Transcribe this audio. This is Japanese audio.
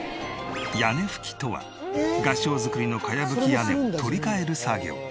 屋根葺とは合掌造りの茅葺き屋根を取り替える作業。